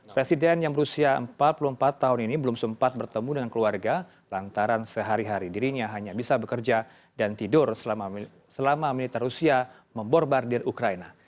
presiden yang berusia empat puluh empat tahun ini belum sempat bertemu dengan keluarga lantaran sehari hari dirinya hanya bisa bekerja dan tidur selama militer rusia memborbardir ukraina